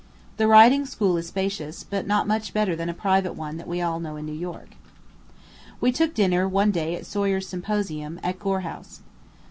The riding school is spacious, but not much better than a private one that we know in New York. We took dinner one day at Soyer's Symposium, at Gore House.